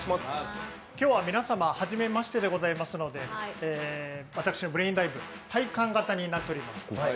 今日は皆様、初めましてでございますので、私、ブレインダイブ、体感型になっております。